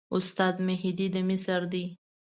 استاد مهدي د مصر دی.